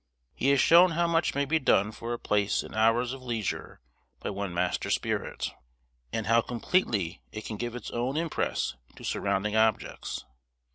He has shown how much may be done for a place in hours of leisure by one master spirit, and how completely it can give its own impress to surrounding objects.